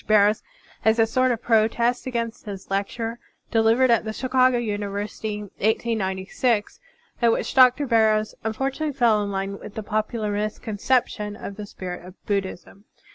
Barrows as a sort of protest against his lecture delivered at the Chicago Uni versity, 1896, in which Dr. Barrows unfortunately fell in line with the popular misconception of the spirit of Buddhism.